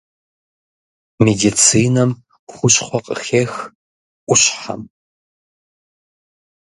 Медицинэм хущхъуэ къыхех ӏущхьэм.